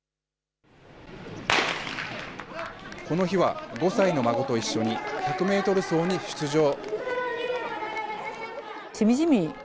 この日は、５歳の孫と一緒に、１００メートル走に出場。